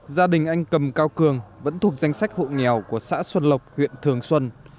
gia đình anh cầm cao cường vẫn thuộc danh sách hộ nghèo của xã xuân lộc huyện thường xuân